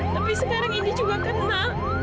tapi sekarang ini juga kena